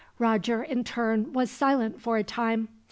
Roger, in turn, was silent for a time.